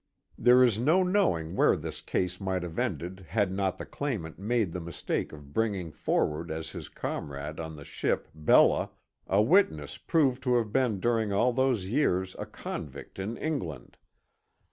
There is no knowing where this case might have ended had not the claimant made the mistake of bringing forward as his comrade on the ship Bella a witness proved to have been dur ing all those years a convict in England.